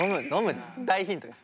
大ヒントです。